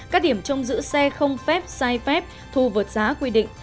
các điểm trông giữ xe không phép sai phép thu vượt giá quy định